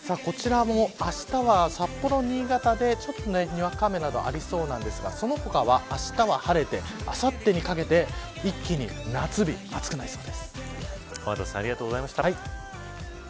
こちらも、あしたは札幌、新潟でにわか雨などありそうなんですがその他は、あしたは晴れてあさってにかけて天達さんありがとうございました。